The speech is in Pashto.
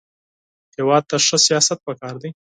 هېواد ته ښه سیاست پکار دی